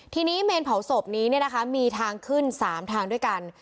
ทีนี้เมนเผาศพนี้มีทางขึ้น๓ทางด้วยกัน